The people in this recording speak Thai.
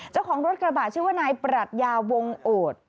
เจ้าของรถกระบะชื่อว่านายปรัชญาวงโอด